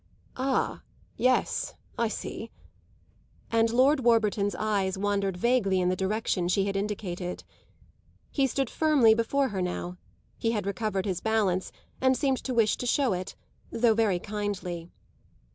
"Ah yes; I see." And Lord Warburton's eyes wandered vaguely in the direction she had indicated. He stood firmly before her now; he had recovered his balance and seemed to wish to show it, though very kindly.